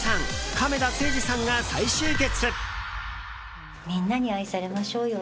亀田誠治さんが再集結！